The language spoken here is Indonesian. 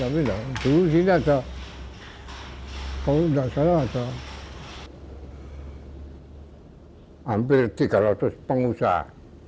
pernahkah ada hampir tiga ratus pengusaha